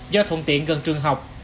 do thuận tiện gần trường học